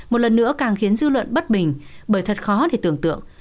một lần nữa càng khiến dư luận bất bình bởi thật khó để tưởng tượng